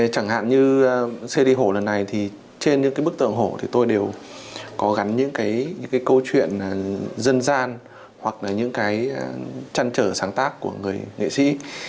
chẳng hạn như cd hổ lần này thì trên những bức tượng hổ tôi đều có gắn những câu chuyện dân gian hoặc là những trăn trở sáng tác của người nghệ sĩ